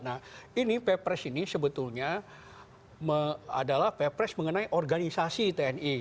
nah ini pepres ini sebetulnya adalah pepres mengenai organisasi tni